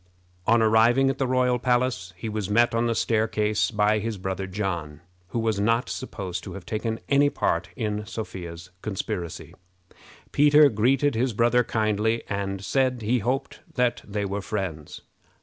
On arriving at the royal palace, he was met on the staircase by his brother John, who was not supposed to have taken any part in Sophia's conspiracy. Peter greeted his brother kindly, and said he hoped that they were friends.